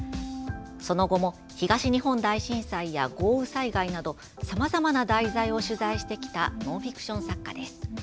その後も東日本大震災や豪雨災害などさまざまな題材を取材してきたノンフィクション作家です。